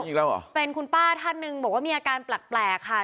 อีกแล้วเหรอเป็นคุณป้าท่านหนึ่งบอกว่ามีอาการแปลกแปลกค่ะ